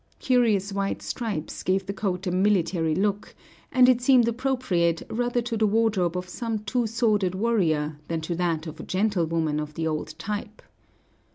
Curious white stripes gave the coat a military look, and it seemed appropriate rather to the wardrobe of some two sworded warrior than to that of a gentlewoman of the old type.